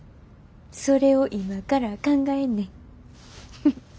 それを今から考えんねん。